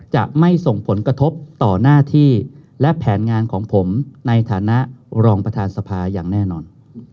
จะไม่ส่งผลกระทบต่อหน้าที่และแผนงานของผมในฐานะรองประธานสภาอย่างแน่นอน